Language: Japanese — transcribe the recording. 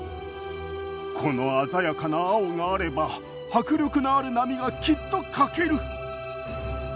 この鮮やかな青があれば迫力のある波がきっと描ける。